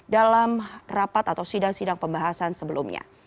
dalam rapat atau sidang sidang pembahasan sebelumnya